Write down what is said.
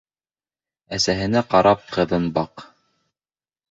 Әсәһенә карап, ҡыҙын баҡ.